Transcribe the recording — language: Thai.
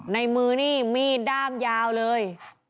ในมือนี่มีดด้ามยาวเลย